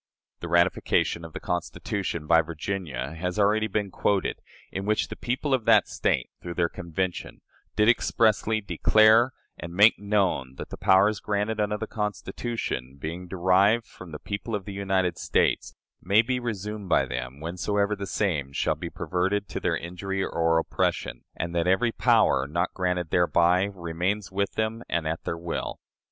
The ratification of the Constitution by Virginia has already been quoted, in which the people of that State, through their Convention, did expressly "declare and make known that the powers granted under the Constitution, being derived from the people of the United States, may be resumed by them, whensoever the same shall be perverted to their injury or oppression, and that every power not granted thereby remains with them and at their will."